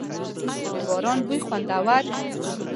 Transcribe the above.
• د باران بوی خوندور وي.